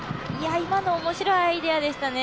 今の面白いアイデアでしたね。